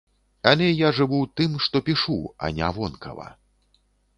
Але я жыву, тым, што пішу, а не вонкава.